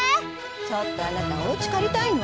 ちょっとあなたおうちかりたいの？